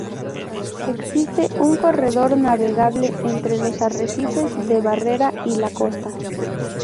Existe Un corredor navegable entre los arrecifes de barrera y la costa.